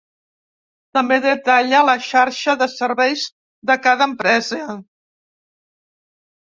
També detalla la xarxa de serveis de cada empresa.